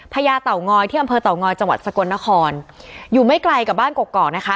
ญาเต่างอยที่อำเภอเต่างอยจังหวัดสกลนครอยู่ไม่ไกลกับบ้านกกอกนะคะ